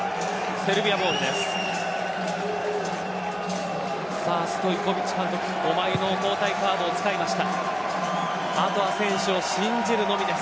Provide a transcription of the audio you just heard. セルビアボールです。